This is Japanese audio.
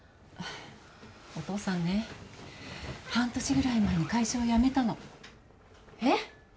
お父さんね半年ぐらい前に会社を辞めたのえっ！？